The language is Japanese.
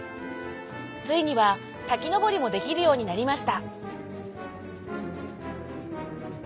ついにはたきのぼりもできるようになりました。